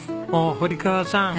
堀川さん